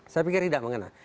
saya pikir tidak mengenal